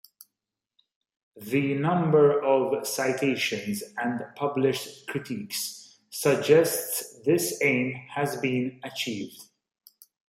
The number of citations and published critiques suggests this aim has been achieved.